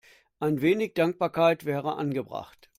Ein wenig Dankbarkeit wäre angebracht.